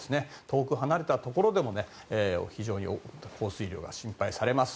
遠く離れたところでも非常に降水量が心配されます。